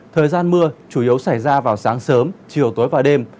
thời gian mưa chủ yếu xảy ra vào sáng sớm chiều tối và đêm